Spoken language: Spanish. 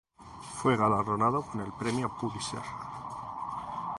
Fue galardonado con el Premio Pulitzer.